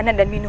dan nama dicho